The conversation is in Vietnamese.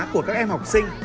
của các em học sinh